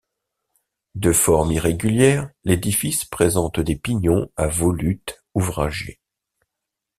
De forme irrégulière, l'édifice présente des pignons à volutes ouvragés.